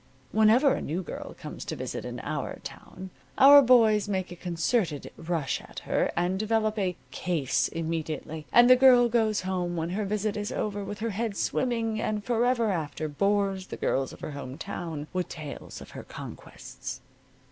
Whenever a new girl comes to visit in our town our boys make a concerted rush at her, and develop a "case" immediately, and the girl goes home when her visit is over with her head swimming, and forever after bores the girls of her home town with tales of her conquests.